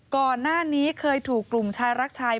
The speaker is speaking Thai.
ก่อนหน้านี้เคยถูกกลุ่มชายรักชาย